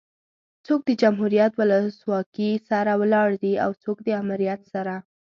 څوک د جمهوريت ولسواکي سره ولاړ دي او څوک ده امريت سره